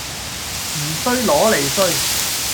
唔衰攞嚟衰